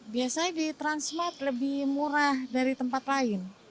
biasanya di transmart lebih murah dari tempat lain